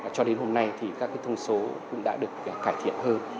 cho đến hôm nay thì các thông số cũng đã được cải thiện hơn